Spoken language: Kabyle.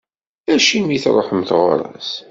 Acimi i truḥemt ɣur-s.